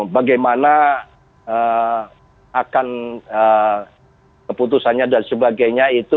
bagaimana akan keputusannya dan sebagainya itu